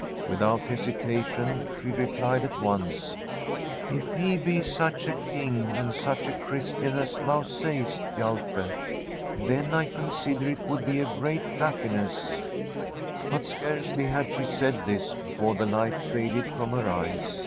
Without hesitation she replied at once: ' If he be such a King and such a Christian as thou sayest, Hjalte, then I consider it would be a great happiness/ But scarcely had she said this before the light faded from her eyes.